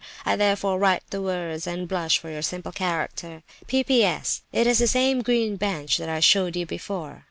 I therefore write the words, and blush for your simple character. "P.P.S.—It is the same green bench that I showed you before.